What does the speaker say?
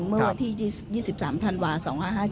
เมื่อวันที่๒๓ธันวา๒๕๕๗